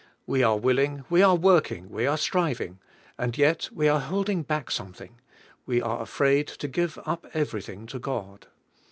We are willing, we are working, we are striving, and yet we are holding back something; we are afraid to give up everything to God.